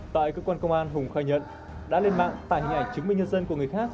tại cơ quan công an hùng khai nhận đã lên mạng tải hình ảnh chứng minh nhân dân của người khác